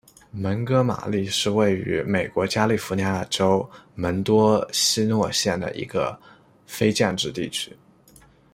蒙哥马利是位于美国加利福尼亚州门多西诺县的一个非建制地区。